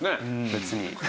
別に。